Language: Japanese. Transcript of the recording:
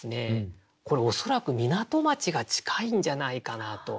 これ恐らく港町が近いんじゃないかなと。